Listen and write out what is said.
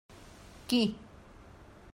Qui?